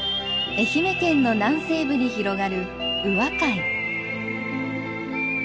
愛媛県の南西部に広がる宇和海。